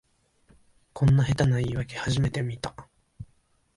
こんな下手な言いわけ初めて見た